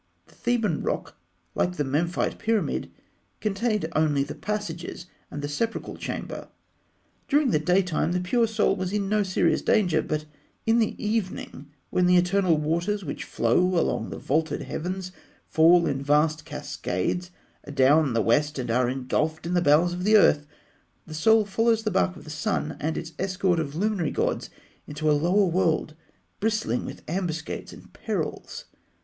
The Theban rock, like the Memphite pyramid, contained only the passages and the sepulchral chamber. During the daytime, the pure Soul was in no serious danger; but in the evening, when the eternal waters which flow along the vaulted heavens fall in vast cascades adown the west and are engulfed in the bowels of the earth, the Soul follows the bark of the Sun and its escort of luminary gods into a lower world bristling with ambuscades and perils.